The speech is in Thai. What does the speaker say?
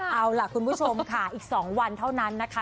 เอาล่ะคุณผู้ชมค่ะอีก๒วันเท่านั้นนะคะ